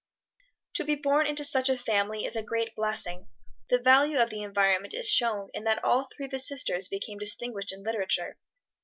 To be born into such a family is a great blessing. The value of the environment is shown in that all three of the sisters became distinguished in literature.